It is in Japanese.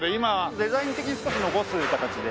デザイン的に少し残す形で。